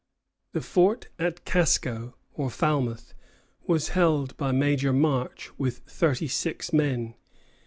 The fort at Casco, or Falmouth, was held by Major March, with thirty six men.